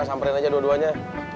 samperin aja dua duanya